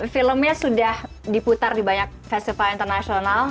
filmnya sudah diputar di banyak festival internasional